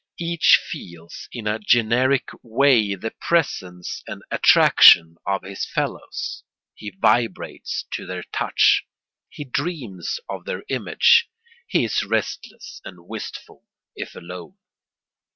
Each feels in a generic way the presence and attraction of his fellows; he vibrates to their touch, he dreams of their image, he is restless and wistful if alone.